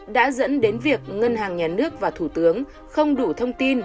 đã dẫn đến việc ngân hàng nhà nước và thủ tướng không đủ thông tin